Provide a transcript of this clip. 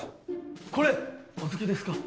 これお好きですか？